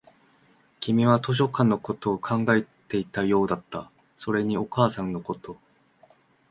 君は図書館のことを考えていたようだった、それにお母さんのこと